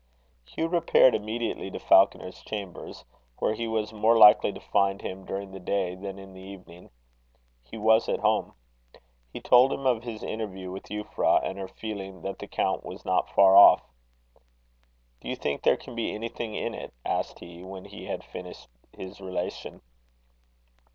Hugh repaired immediately to Falconer's chambers, where he was more likely to find him during the day than in the evening. He was at home. He told him of his interview with Euphra, and her feeling that the count was not far off. "Do you think there can be anything in it?" asked he, when he had finished his relation.